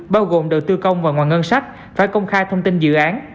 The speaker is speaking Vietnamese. bao gồm đầu tư công và ngoài ngân sách phải công khai thông tin dự án